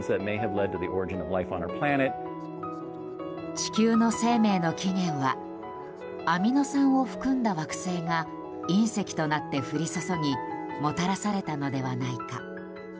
地球の生命の起源はアミノ酸を含んだ惑星が隕石となって降り注ぎもたらされたのではないか。